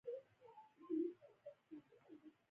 طبیعي وړتیاوې په ټولنیزو امتیازونو اغېز لري.